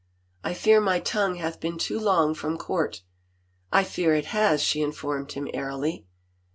" I fear my tongue hath been too long from court." " I fear it has 1 " she informed him airily.